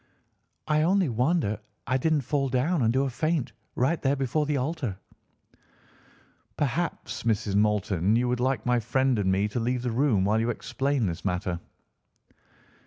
I only wonder I didn't fall down and do a faint right there before the altar." "Perhaps, Mrs. Moulton, you would like my friend and me to leave the room while you explain this matter?"